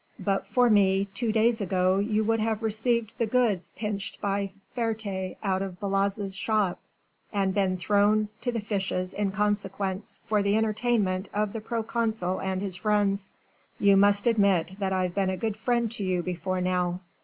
But for me two days ago you would have received the goods pinched by Ferté out of Balaze's shop, and been thrown to the fishes in consequence for the entertainment of the proconsul and his friends. You must admit that I've been a good friend to you before now."